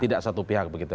tidak satu pihak begitu